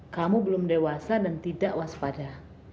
kamu belum dewasa dan tidak waspada